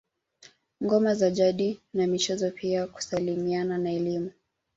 Ngoma za jadi na michezo pia kusalimiana na elimu